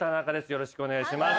よろしくお願いします。